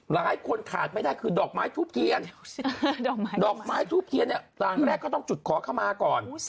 หลายคนขาดไม่ได้คือดอกไม้ทูบเทียนดอกไม้ดอกไม้ทูบเทียนเนี่ยตอนแรกก็ต้องจุดขอเข้ามาก่อน